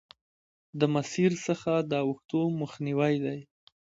له مسیر څخه د اوښتو مخنیوی دی.